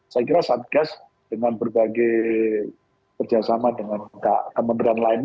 saya kira satgas dengan berbagai kerjasama dengan kementerian lainnya